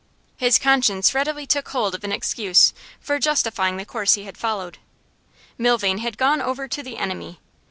His conscience readily took hold of an excuse for justifying the course he had followed. Milvain had gone over to the enemy.